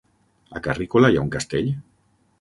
A Carrícola hi ha un castell?